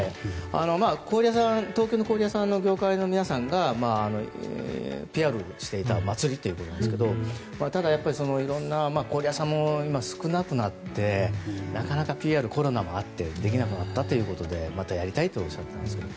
東京の氷屋さんの業界の皆さんがＰＲしていた祭りということですが氷屋さんも少なくなってなかなかＰＲ、コロナもあってできなくなったということでまたやりたいとおっしゃっていました。